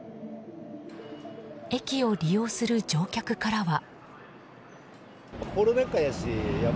駅を利用する乗客からは。